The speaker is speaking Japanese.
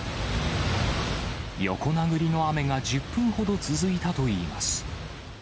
横殴りの雨が１０分ほど続いたといいます。